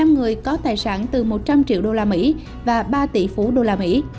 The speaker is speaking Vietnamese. năm người có tài sản từ một trăm linh triệu đô la mỹ và ba tỷ phú đô la mỹ